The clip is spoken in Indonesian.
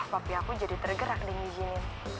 papi aku jadi tergerak di nginjinin